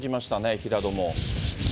平戸も。